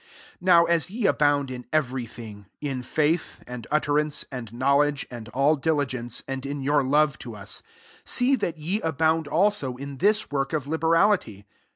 7 Now as ye abound in every thing, in faith, and utterance, and knowledge, and all dili gence, and in your love to us ; see that ye abound also in this work of liberality.